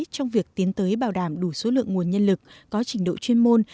trong việc tiến tới bảo đảm đủ số lượng nguồn nhân lực có trình độ chuyên môn